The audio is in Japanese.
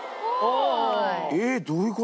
えっどういう事！？